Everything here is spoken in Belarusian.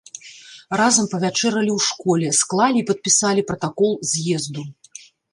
Разам павячэралі ў школе, склалі і падпісалі пратакол з'езду.